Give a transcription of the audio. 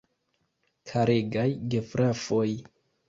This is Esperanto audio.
Karegaj gefrafoj!